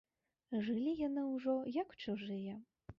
Жылі яны ўжо, як чужыя.